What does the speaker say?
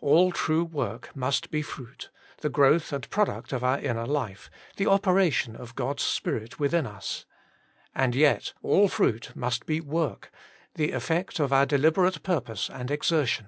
All true work must be fruit, the growth and product of our inner life, the operation of God's Spirit within us. And yet all fruit must be w^ork. the effect of our deliberate purpose and ex ertion.